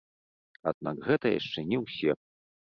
Аднак гэта яшчэ не ўсе.